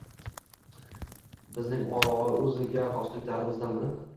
Bizning o‘ziga xosliklarimizdan biri